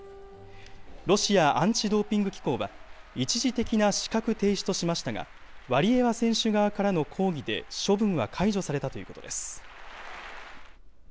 ロシアアンチドーピング機構は、一時的な資格停止としましたが、ワリエワ選手側からの抗議で処分は解除されたということです。